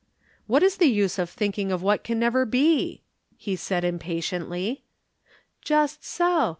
"What is the use of thinking of what can never be!" he said impatiently. "Just so.